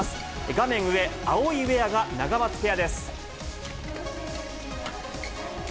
画面上、青いウエアがナガマツペアです。